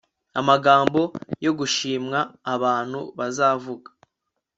Amagambo yo gushimwa abantu bazavuga